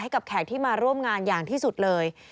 กับแขกที่มาร่วมงานอย่างที่สุดเลย